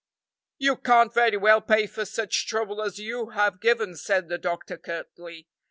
"You can't very well pay for such trouble as you have given," said the doctor curtly.